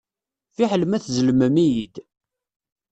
Fiḥel ma tzellmem-iyi-d.